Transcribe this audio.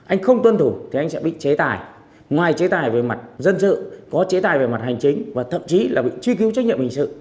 anh không tuân thủ thì anh sẽ bị chế tài ngoài chế tài về mặt dân sự có chế tài về mặt hành chính và thậm chí là bị truy cứu trách nhiệm hình sự